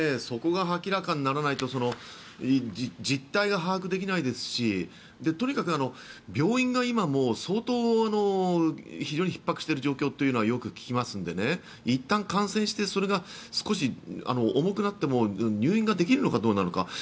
そこが明らかにならないと実態が把握できないですしとにかく病院が今、相当ひっ迫している状況というのはよく聞きますのでいったん感染してそれが少し重くなっても入院ができるのかどうか。